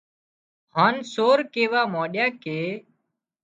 هانَ سور ڪيوا مانڏيا ڪي